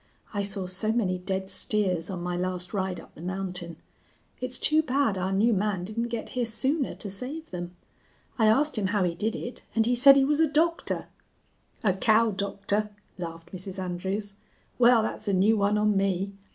I saw so many dead steers on my last ride up the mountain. It's too bad our new man didn't get here sooner to save them. I asked him how he did it, and he said he was a doctor." "A cow doctor," laughed Mrs. Andrews. "Wal, that's a new one on me.